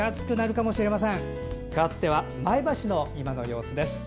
かわって、前橋の今の様子です。